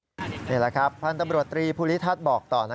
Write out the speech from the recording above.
นี่แหละครับพันธบรตรีภูริทัศน์บอกต่อ